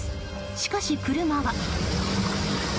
しかし、車は。